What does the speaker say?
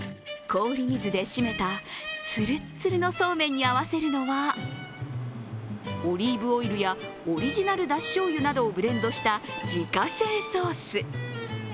氷水で締めたつるっつるのそうめんに合わせるのはオリーブオイルやオリジナルだししょうゆなどをブレンドした自家製ソース。